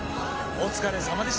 お疲れさまです